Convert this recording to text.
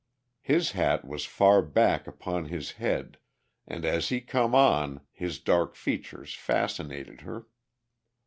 His hat was far back upon his head and as he come on his dark features fascinated her.